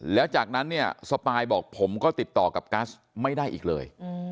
แล้วจากนั้นเนี่ยสปายบอกผมก็ติดต่อกับกัสไม่ได้อีกเลย